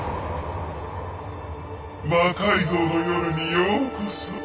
「魔改造の夜」にようこそ。